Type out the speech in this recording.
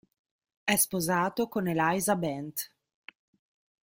È sposato con Eliza Bent.